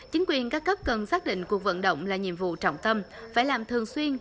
chính quyền các cấp cần xác định cuộc vận động là nhiệm vụ trọng tâm phải làm thường xuyên